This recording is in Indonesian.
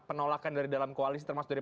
penolakan dari dalam koalisi termasuk dari